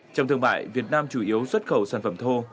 trong thương mại việt nam chủ yếu xuất khẩu sản phẩm thô